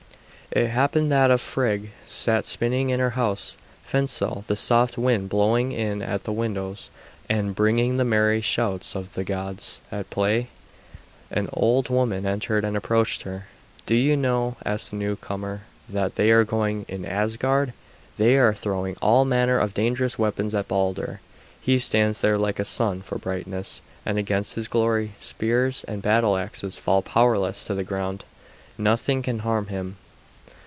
It happened that as Frigg sat spinning in her house Fensal, the soft wind blowing in at the windows and bringing the merry shouts of the gods at play, an old woman entered and approached her. "Do you know," asked the newcomer, "what they are doing in Asgard? They are throwing all manner of dangerous weapons at Balder. He stands there like the sun for brightness, and against his glory, spears and battle axes fall powerless to the ground. Nothing can harm him."